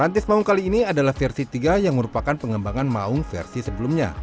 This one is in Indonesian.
rantis mau kali ini adalah versi tiga yang merupakan pengembangan mau versi sebelumnya